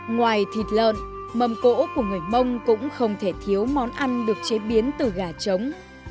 ngoài thịt lợn mâm cỗ của người mông cũng không thể thiếu món ăn được chế biến từ gà trống